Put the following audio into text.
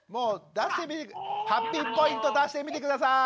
ハッピーポイント出してみて下さい。